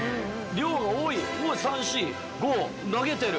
量が多い多い３・４５投げてる。